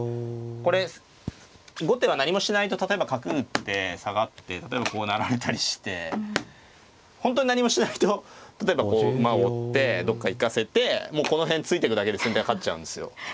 これ後手は何もしないと例えば角打って下がって例えばこう成られたりして本当に何もしないと例えばこう馬で追ってどっか行かせてもうこの辺突いてくだけで先手は勝っちゃうんですよ。